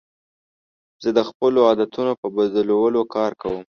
زه د خپلو عادتونو په بدلولو کار کوم.